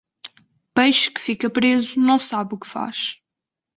Peixe que fica preso, não sabe o que faz.